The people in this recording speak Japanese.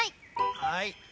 はい。